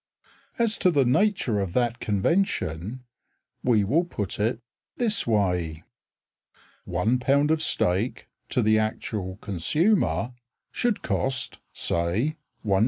As to the nature of that convention We will put it this way: One pound of steak To the actual consumer Should cost, say, 1s.